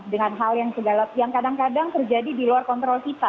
dengan hal yang segala yang kadang kadang terjadi di luar kontrol kita